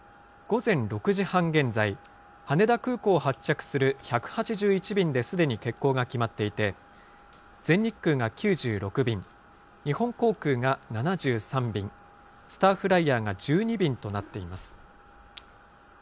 午前６時半現在、羽田空港を発着する１８１便で、すでに欠航が決まっていて、全日空が９６便、日本航空が７３便、スターフライヤーが１２便となっています。